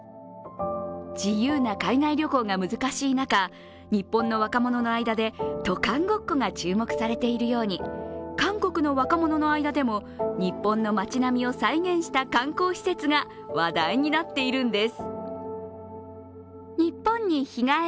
自由な海外旅行が難しい中、日本の若者の間で渡韓ごっこが注目されているように、韓国の若者の間でも日本の町並みを再現した観光施設が話題になっているんです。